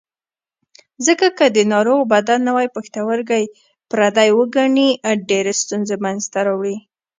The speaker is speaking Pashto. ځکه که د ناروغ بدن نوی پښتورګی پردی وګڼي ډېرې ستونزې منځ ته راوړي.